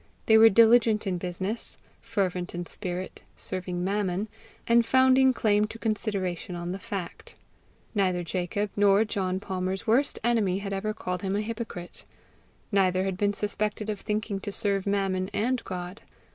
They were diligent in business, fervent in spirit, serving Mammon, and founding claim to consideration on the fact. Neither Jacob nor John Palmer's worst enemy had ever called him a hypocrite: neither had been suspected of thinking to serve Mammon and God.